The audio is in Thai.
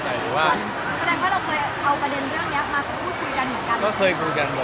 แสดงว่าเราเคยเอาประเด็นเรื่องนี้มาคุยกันเหมือนกัน